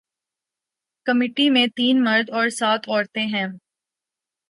committee میں تین مرد اور سات عورتیں ہیں